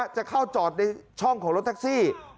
จะเข้าจอดในช่องของรถแท็กซี่